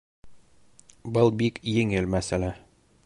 Был бик еңел мәсьәлә